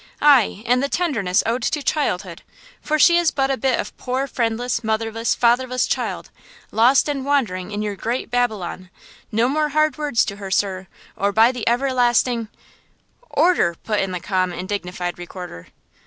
ay, and the tenderness owed to childhood! for she is but a bit of a poor, friendless, motherless, fatherless child, lost and wandering in your great Babylon! No more hard words to her, sir–or by the everlasting–" "Order!" put in the calm and dignified Recorder.